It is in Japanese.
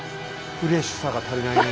フレッシュさが足りないねえ。